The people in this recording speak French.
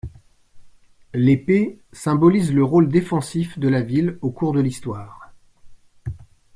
L'épée symbolise le rôle défensif de la ville au cours de l'histoire.